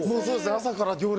朝から行列。